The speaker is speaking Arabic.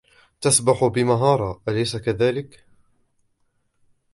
تسبح بمهارة ، أليس كذلك ؟